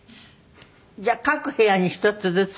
じゃあ各部屋に１つずつ？